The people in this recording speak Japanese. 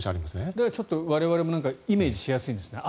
だからちょっと我々もイメージしやすいんですね。